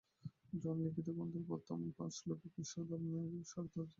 জন-লিখিত গ্রন্থের প্রথম পাঁচ শ্লোকেই খ্রীষ্টধর্ম্মের সারতত্ত্ব নিহিত।